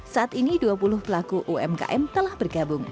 saat ini dua puluh pelaku umkm telah bergabung